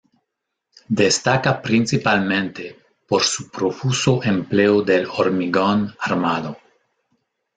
Destaca principalmente por su profuso empleo del hormigón armado.